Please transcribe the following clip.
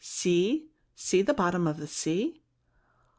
See the bottom of the sea?"